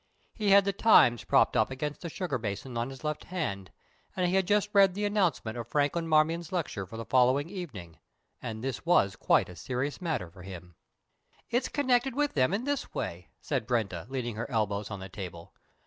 He had the Times propped up against the sugar basin on his left hand, and he had just read the announcement of Franklin Marmion's lecture for the following evening, and this was quite a serious matter for him. "It's connected with them in this way," said Brenda, leaning her elbows on the table.